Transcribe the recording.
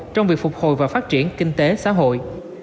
trong việc phục hồi và phát triển kinh tế xã hội